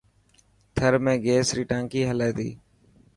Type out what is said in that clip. ٿر ۾ گيس ري ٽانڪي هلي ٿي.